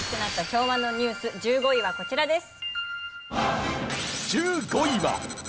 昭和のニュース１５位はこちらです。